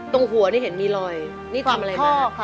ตรงหัวนี่เห็นมีรอยนี่ความอะไรบ้าง